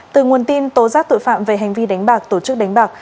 từ nguồn tin tố giác tội phạm về hành vi đánh bạc tổ chức đánh bạc